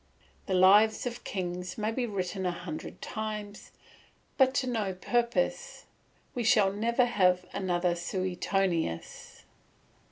The lives of kings may be written a hundred times, but to no purpose; we shall never have another Suetonius.